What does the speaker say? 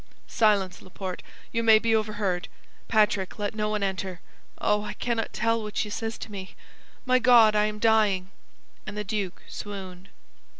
"Silence, Laporte, you may be overheard. Patrick, let no one enter. Oh, I cannot tell what she says to me! My God, I am dying!" And the duke swooned.